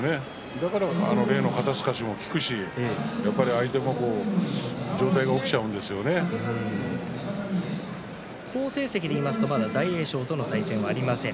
だから例の肩すかしも効くし相手も上体が好成績でいいますと大栄翔との対戦はまだありません。